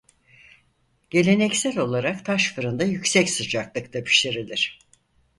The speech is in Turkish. Geleneksel olarak taş fırında yüksek sıcaklıkta pişirilir.